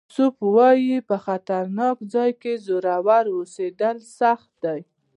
ایسوپ وایي په خطرناک ځای کې زړور اوسېدل سخت دي.